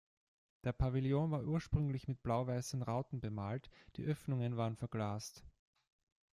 Der Pavillon war ursprünglich mit blau-weißen Rauten bemalt, die Öffnungen waren verglast.